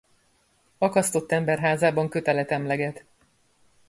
Akasztott ember házában kötelet emleget.